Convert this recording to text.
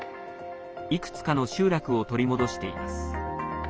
いくつかの集落を取り戻しています。